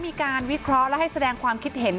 มีการวิเคราะห์และให้แสดงความคิดเห็น